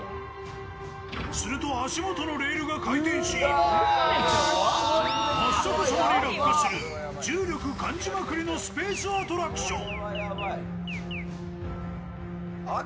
すると、足元のレールが回転し、真っ逆さまに落下する重力感じまくりのスペースアトラクション。